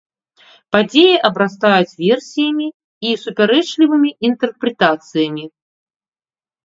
Падзеі абрастаюць версіямі і супярэчлівымі інтэрпрэтацыямі.